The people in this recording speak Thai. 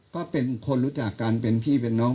ก็เป็นคนรู้จักกันเป็นพี่เป็นน้อง